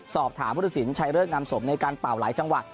สอบถามพุทธศิลปชัยเริกนำสมในการเป่าหลายจังหวัด